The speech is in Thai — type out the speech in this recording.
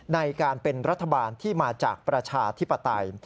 ในการเป็นรัฐบาลที่มาจากประชาธิปไตย